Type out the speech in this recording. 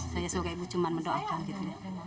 saya suka ibu cuma mendoakan gitu ya